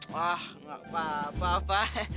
wah nggak apa apa fah